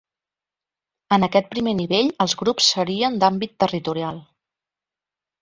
En aquest primer nivell, els grups serien d’àmbit territorial.